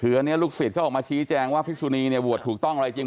เถือนี้ลูกศิษฐ์เขาออกมาชี้แจงว่าภิกษณีย์บวชถูกต้องอะไรจริง